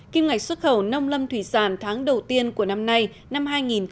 kim ngạch xuất khẩu nông lâm thủy sản tháng đầu tiên của năm nay năm hai nghìn một mươi chín